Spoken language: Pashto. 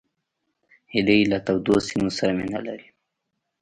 هیلۍ له تودو سیمو سره مینه لري